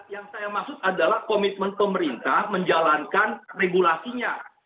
yang saya maksud adalah komitmen pemerintah menjalankan regulasinya